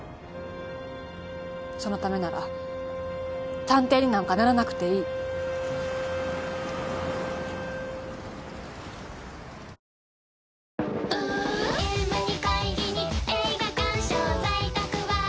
そのためなら探偵になんかならなくていい。ごめん。